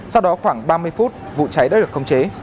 sau đó khoảng ba mươi phút vụ cháy đã được khống chế